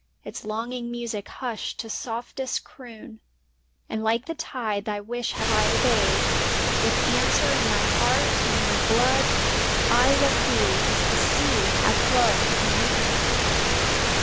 Its longing music hushed to softest croon ; And like the tide thy wish have I obeyed With answer in my heart and in my blood — I love thee as the sea hath loved the moon!